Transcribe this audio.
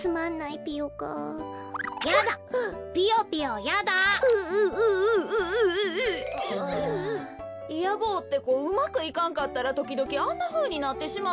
いや坊ってこうまくいかんかったらときどきあんなふうになってしまうんよ。